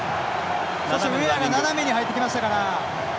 そしてウェアが斜めに入ってきましたから。